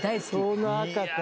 その赤か。